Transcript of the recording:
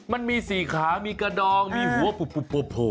มันมีสี่ขามีกระดองมีหัว